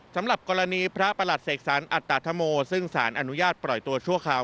สำหรับกรณีพระประหลัดเสกสรรอัตธโมซึ่งสารอนุญาตปล่อยตัวชั่วคราว